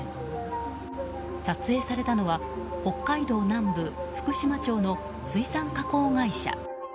撮影されたのは北海道南部福島町の水産加工会社。